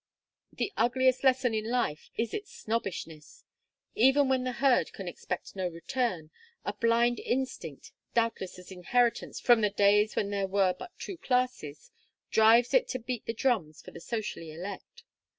The ugliest lesson of life is its snobbishness. Even when the herd can expect no return, a blind instinct doubtless an inheritance from the days when there were but two classes drives it to beat the drums for the socially elect.